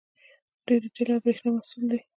دوی د تیلو او بریښنا مسوول دي.